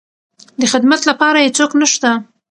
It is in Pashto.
د خدمت لپاره يې څوک نشته.